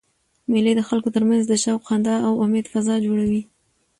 مېلې د خلکو ترمنځ د شوق، خندا او امېد فضا جوړوي.